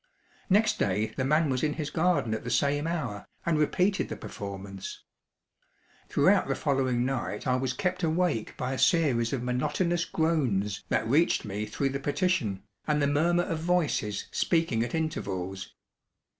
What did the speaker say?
Next day the man was in his garden at the same hour, and repeated the performance. Throughout the following night I was kept awake by a series of monotonous groans that reached me through the partition, and the murmur of voices speaking at intervals.